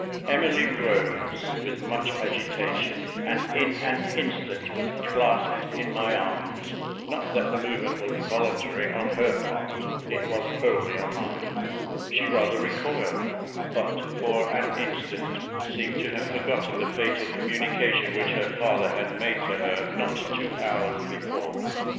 Emily rose with much agitation, and in an instant was clasped in my arms: not that the movement was voluntary on her part; it was wholly on mine. She rather recoiled; but for an instant seemed to have forgotten the fatal communication which her father had made to her not two hours before.